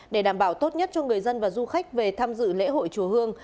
để đảm bảo tốt nhất cho người dân và du khách về tham dự lễ hội chùa hương